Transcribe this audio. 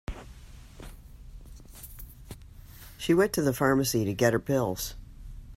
She went to the pharmacy to get her pills.